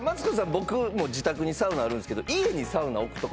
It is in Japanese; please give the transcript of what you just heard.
僕も自宅にサウナあるんすけどあっ